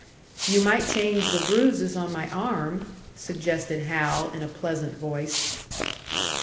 "You might change the bruises on my arm," suggested Hal, in a pleasant voice.